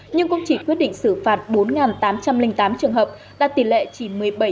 nhưng cũng chỉ quyết định xử phạt bốn tám trăm linh tám trường hợp đạt tỷ lệ chỉ một mươi bảy sáu mươi hai